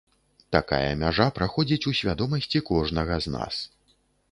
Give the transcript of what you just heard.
Такая мяжа праходзіць у свядомасці кожнага з нас.